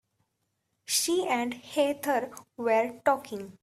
She and Heather were talking.